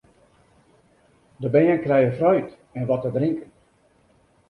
De bern krije fruit en wat te drinken.